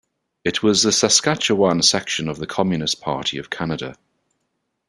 It was the Saskatchewan section of the Communist Party of Canada.